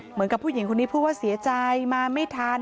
ผู้หญิงคนนี้พูดว่าเสียใจมาไม่ทัน